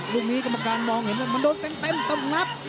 ลูกนี้กรรมการมองเห็นว่ามันโดนเต็มต้องนับ